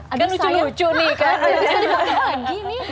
itu kan lucu lucu nih kan bisa dibakar lagi nih